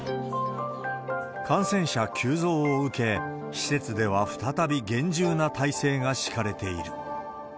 感染者急増を受け、施設では再び厳重な態勢が敷かれている。